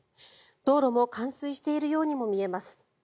道路も冠水しているようにも見えます。